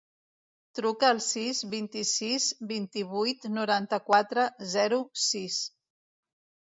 Truca al sis, vint-i-sis, vint-i-vuit, noranta-quatre, zero, sis.